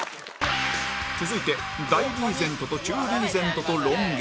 続いて大リーゼントと中リーゼントとロン毛